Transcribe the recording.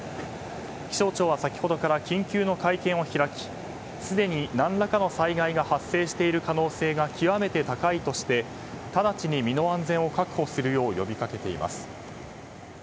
気象庁は先ほどから緊急の会見を開きすでに何らかの災害が発生している可能性が極めて高いとしてただちに身の安全を確保するよう呼びかけています。